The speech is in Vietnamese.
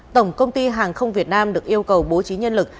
tổng công ty hàng không việt nam được yêu cầu bố trí nhân lực